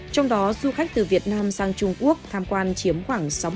trong đó du khách từ việt nam sang trung quốc tham quan chiếm khoảng sáu mươi